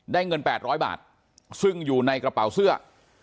เงิน๘๐๐บาทซึ่งอยู่ในกระเป๋าเสื้อ